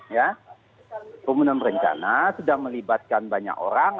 ya pembunuhan berencana sudah melibatkan banyak orang